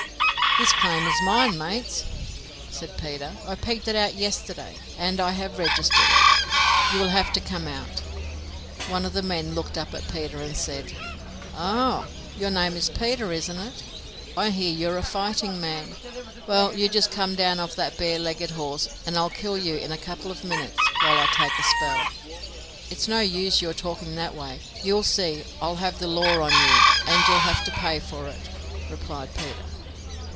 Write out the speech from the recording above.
"This claim is mine, mates," said Peter; "I pegged it out yesterday, and I have registered it. You will have to come out." One of the men looked up at Peter and said, "Oh! your name is Peter, isn't it? I hear you are a fighting man. Well, you just come down off that bare legged horse, and I'll kill you in a couple of minutes, while I take a spell." "It's no use your talking that way; you'll see I'll have the law on you, and you'll have to pay for it," replied Peter.